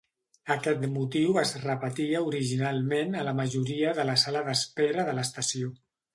Aquest motiu es repetia originalment a la majoria de la sala d'espera de l'estació.